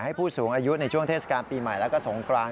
ผู้สูงอายุในช่วงเทศกาลปีใหม่แล้วก็สงกราน